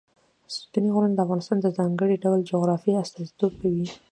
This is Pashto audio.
ستوني غرونه د افغانستان د ځانګړي ډول جغرافیه استازیتوب کوي.